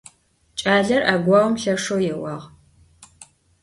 Ç'aler 'eguaom lheşşeu yêuağ.